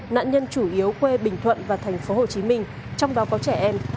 nạn nhân chủ yếu quê bình thuận và tp hcm trong đó có trẻ em